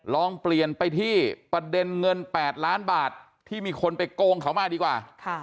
ลองเปลี่ยนไปที่ประเด็นเงิน๘ล้านบาทที่มีคนไปโกงเขามาดีกว่า